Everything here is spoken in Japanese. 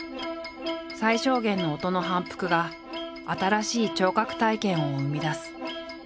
最小限の音の反復が新しい聴覚体験を生み出す。